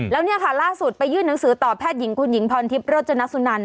แล้วเนี่ยค่ะล่าสุดไปยื่นหนังสือต่อแพทย์หญิงคุณหญิงพรทิพย์โรจนสุนัน